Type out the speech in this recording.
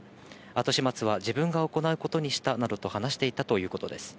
後始末を自分が行うことにしたと話していたということです。